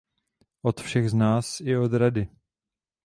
Od všech z nás, i od Rady.